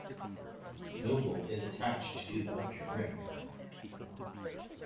Nobile is attached to the western rim.